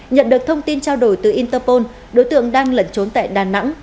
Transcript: nhận được thông tin trao đổi từ interpol đối tượng đang lẩn trốn tại đà nẵng